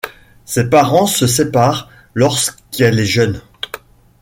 Ses parents se séparent lorsqu’elle est jeune.